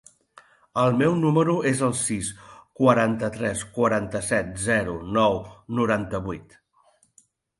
El meu número es el sis, quaranta-tres, quaranta-set, zero, nou, noranta-vuit.